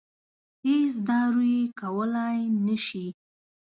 هېڅ دارو یې کولای نه شي.